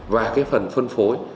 và phần phân phối